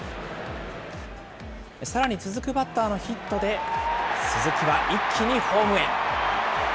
さらに続くバッターのヒットで、鈴木は一気にホームへ。